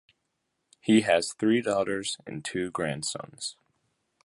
He has three daughters and two grandsons.